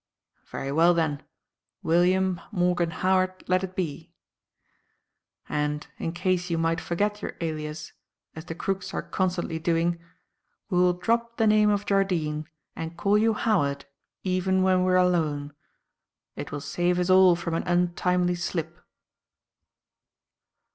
"Very well, then William Morgan Howard let it be. And, in case you might forget your alias, as the crooks are constantly doing, we will drop the name of Jardine and call you Howard even when we are alone. It will save us all from an untimely slip."